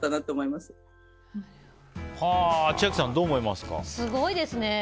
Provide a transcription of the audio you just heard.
すごいですね。